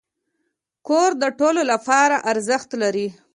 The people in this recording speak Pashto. کور د ټولو لپاره ارزښت لري.